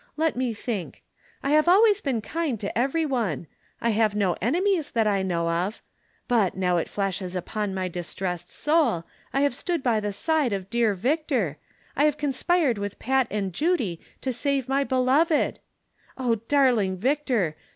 Let me tliink ; I have always been kind to every one ; have no enemies that I know of ; but, now it flashes upon my distressed soul, I have stood by the side of dear Victor, I have conspired with Pat and Judy to save my THE CONSPIRATORS AND LOVERS. 75 beloved. Oh, darling Victor